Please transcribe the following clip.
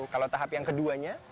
kalau tahap yang keduanya